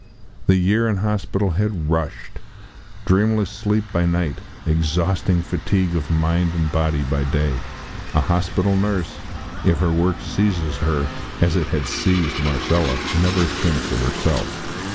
The year in hospital had rushed dreamless sleep by night, exhausting fatigue of mind and body by day. A hospital nurse, if her work seizes her, as it had seized Marcella, never thinks of herself.